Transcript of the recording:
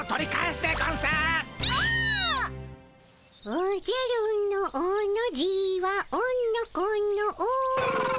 「おじゃるのおの字はおのこのお」